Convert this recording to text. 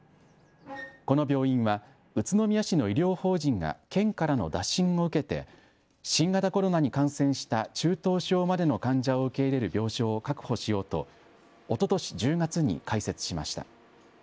この病院は宇都宮市の医療法人が県からの打診を受けて新型コロナに感染した中等症までの患者を受け入れる病床を確保しようとおととし１０月に開設しました。